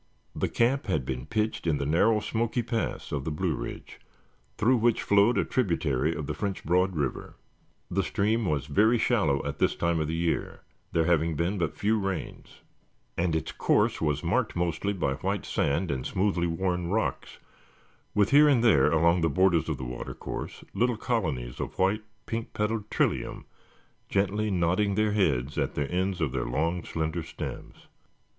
The camp had been pitched in the narrow Smoky Pass of the Blue Ridge through which flowed a tributary of the French Broad River. The stream was very shallow at this time of the year, there having been but few rains, and its course was marked mostly by white sand and smoothly worn rocks, with here and there along the borders of the water course little colonies of the white, pink petaled trillium gently nodding their heads at the ends of their long, slender stems.